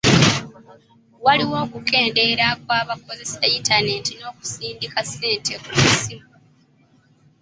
Waliwo okukendeera kw'abakozesa yintanenti n'okusindika ssente ku masimu.